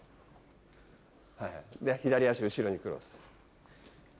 左足後ろにクロス。